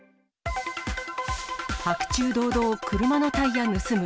白昼堂々、車のタイヤ盗む。